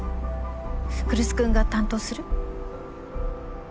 来栖君が担当する？